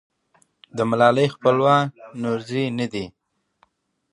د ملالۍ خپلوان نورزي نه دي.